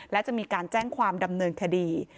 และจะมีการแจ้งความดำเนินคดี